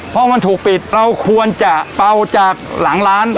พอมันถูกปิดเราควรจะเป่าจากหลังร้าน